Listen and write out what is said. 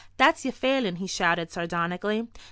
"That's yer Phelan," he shouted, sardonically.